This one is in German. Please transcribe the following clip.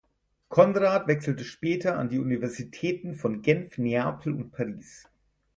Conrad wechselte später an die Universitäten von Genf, Neapel und Paris.